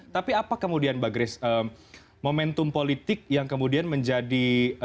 tapi apa kemudian mbak grace momentum politik yang kemudian menjadi